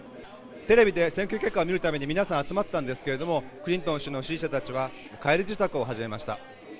テレビで選挙結果を見るために皆さん集まったんですけれどもクリントン氏の支持者たちは帰り支度を始めました。